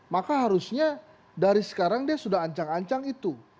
maka harusnya dari sekarang dia sudah ancang ancang itu